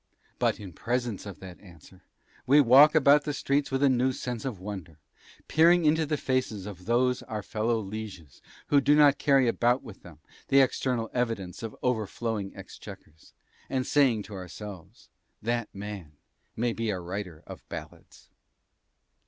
But in presence of that answer, we walk about the streets with a new sense of wonder, peering into the faces of those of our fellow lieges who do not carry about with them the external evidence of overflowing exchequers, and saying to ourselves, 'That man may be a writer of ballads.